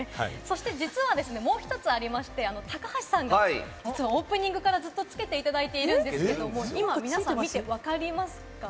実はもう一つありまして、高橋さんがオープニングからずっとつけていただいてるんですけれども、皆さま、見てわかりますか？